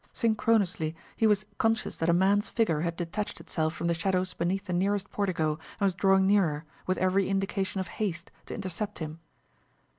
Synchronously he was conscious that a man's figure had detached itself from the shadows beneath the nearest portico and was drawing nearer, with every indication of haste, to intercept him.